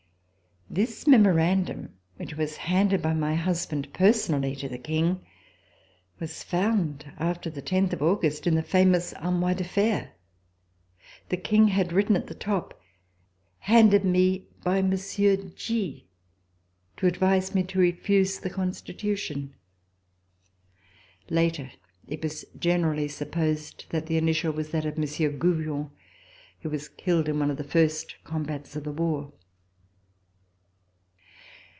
This memorandum, which was handed by my husband, personally, to the King, was found after the tenth of August in the famous Armoire de Fer. The King had written at the top: "Handed me by Monsieur G to advise me to refuse the Constitution." Later it was generally sup posed that the initial was that of Monsieur Gouvion who was killed in one of the first combats of the war.